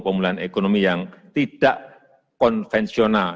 pemulihan ekonomi yang tidak konvensional